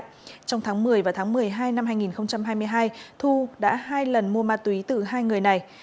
trong tháng một mươi và tháng một mươi hai năm hai nghìn hai mươi hai thu đã hai lần mua ma túy từ hai người này